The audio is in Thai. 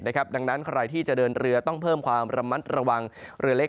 ดังนั้นใครที่จะเดินเรือต้องเพิ่มความระมัดระวังเรือเล็ก